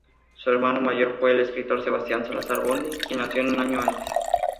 Su hermano mayor fue el escritor Sebastián Salazar Bondy, quien nació un año antes.